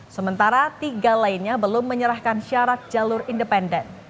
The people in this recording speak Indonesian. sementara tiga lainnya belum menyerahkan syarat jalur independen